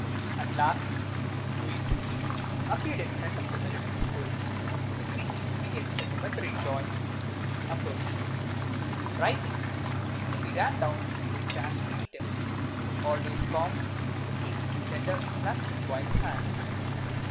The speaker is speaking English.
At last Louis XVI. appeared in front of the Military School. The Queen experienced a momentary joy in seeing him approach. Rising hastily, she ran down the stairs to meet him. Always calm, the King tenderly clasped his wife's hand.